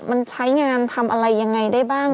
มันใช้งานทำอะไรยังไงได้บ้าง